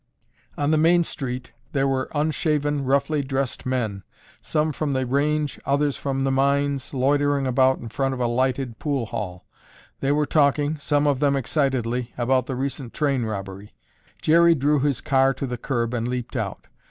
On the main street there were unshaven, roughly dressed men, some from the range, others from the mines, loitering about in front of a lighted pool hall. They were talking, some of them excitedly, about the recent train robbery. Jerry drew his car to the curb and leaped out.